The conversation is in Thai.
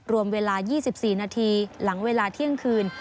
รวมเวลา๒๔นาทีหลังเวลาเที่ยงคืน